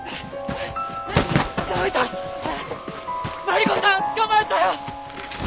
マリコさん捕まえたよ！